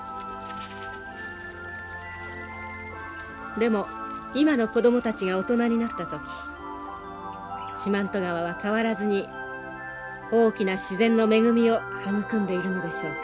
でも今の子供たちが大人になった時四万十川は変わらずに大きな自然の恵みを育んでいるのでしょうか。